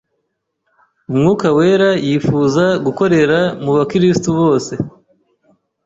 Umwuka wera yifuza gukorera mu bakirisitu bose,